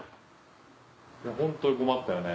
ホントに困ったよね。